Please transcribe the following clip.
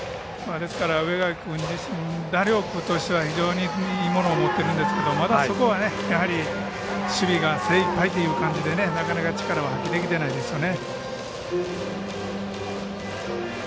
ですから植垣君自身打力としては非常に、いいもの持ってるんですが、まだそこはやはり守備が精いっぱいという感じでなかなか力を発揮できていないですよね。